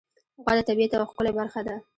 غوا د طبیعت یوه ښکلی برخه ده.